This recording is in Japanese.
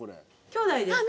きょうだいです。